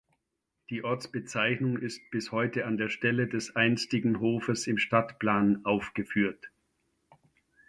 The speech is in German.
Die Ortsbezeichnung ist bis heute an der Stelle des einstigen Hofes im Stadtplan aufgeführt.